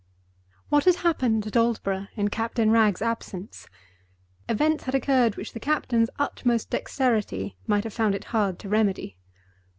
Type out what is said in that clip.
What had happened at Aldborough in Captain Wragge's absence? Events had occurred which the captain's utmost dexterity might have found it hard to remedy.